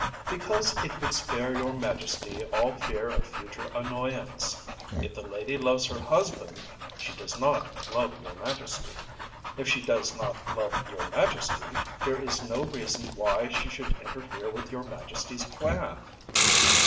‚ÄĚ “Because it would spare your Majesty all fear of future annoyance. If the lady loves her husband, she does not love your Majesty. If she does not love your Majesty, there is no reason why she should interfere with your Majesty’s plan.